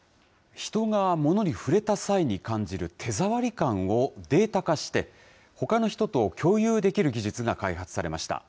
人が物に触れた際に感じる手触り感をデータ化して、ほかの人と共有できる技術が開発されました。